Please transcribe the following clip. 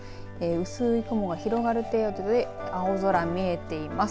薄い雲が広がる程度で青空が見えています。